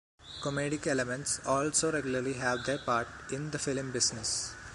Comedic elements also regularly have their part in the film business.